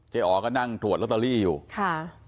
เจ๊อ๋อก็นั่งตรวจลอตเตอรี่อยู่